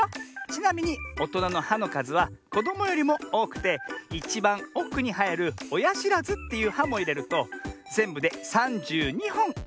ちなみにおとなの「は」のかずはこどもよりもおおくていちばんおくにはえる「おやしらず」っていう「は」もいれるとぜんぶで３２ほんあるんだね。